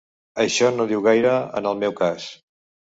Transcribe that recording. Això no diu gaire en el meu cas.